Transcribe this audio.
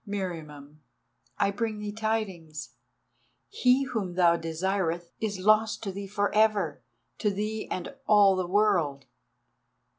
Meriamun, I bring thee tidings. He whom thou desireth is lost to thee for ever—to thee and all the world."